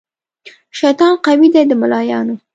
شیطان قوي دی د ملایانو